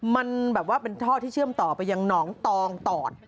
มันแบบว่าเป็นท่อที่เชื่อมต่อไปยังหนองตองตอด